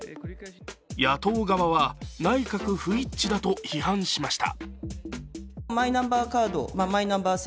野党側は、内閣不一致だと批判しました。